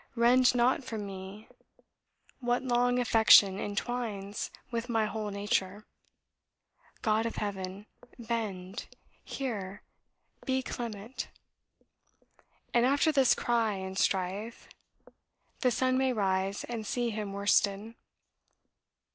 Rend not from me what long affection entwines with my whole nature. God of Heaven bend hear be clement!' And after this cry and strife, the sun may rise and see him worsted.